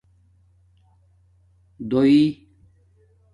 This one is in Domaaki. دُݸݵ